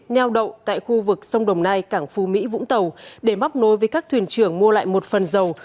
neo đậu tại khu vực sông đồng nai cảng phú mỹ vũng tàu để móc nối với các thuyền trưởng mua lại một phần dầu